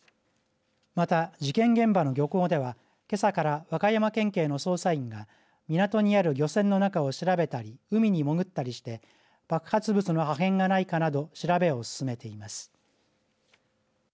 また事件現場の漁港ではけさから和歌山県警の捜査員が港にある漁船の中を調べたり海に潜ったりして爆発物の破片がないかなど調べを進めています。